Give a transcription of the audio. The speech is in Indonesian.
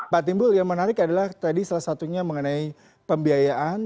pak timbul yang menarik adalah tadi salah satunya mengenai pembiayaan